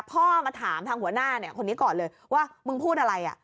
พ่อมาถามทางหัวหน้าคนนี้ก่อนเลยว่ามึงพูดอะไร